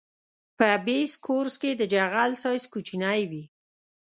په بیس کورس کې د جغل سایز کوچنی وي